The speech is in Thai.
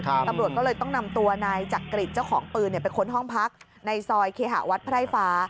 ตำรวจก็เลยต้องนำตัวนายจักริจเจ้าของปืนไปค้นห้องพักในซอยเคหะวัดไพร่ฟ้า